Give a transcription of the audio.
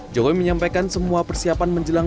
jokowi menyampaikan semua persiapan menjelang